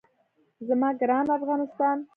زما ګران افغانستان.